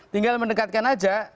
tinggal mendekatkan aja